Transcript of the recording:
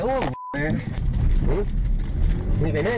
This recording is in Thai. จู้เนี่ยระเบียน